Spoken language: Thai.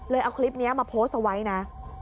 เอาคลิปนี้มาโพสต์เอาไว้นะ